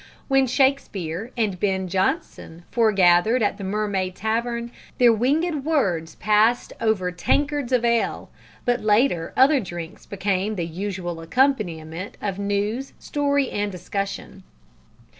When Shakespeare and Ben Jonson forgathered at the Mermaid Tavern, their winged words passed over tankards of ale, but later other drinks became the usual accompaniment of news, story, and discussion.